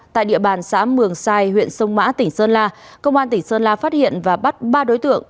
tại địa bàn xã mường sai huyện sông mã tỉnh sơn la công an tỉnh sơn la phát hiện và bắt ba đối tượng